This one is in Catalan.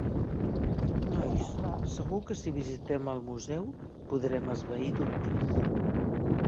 Nois, segur que si visitem el museu podrem esvair dubtes.